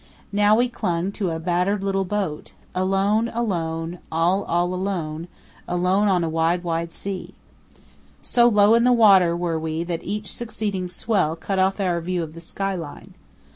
Now we clung to a battered little boat, "alone, alone—all, all alone; alone on a wide, wide sea." So low in the water were we that each succeeding swell cut off our view of the sky line.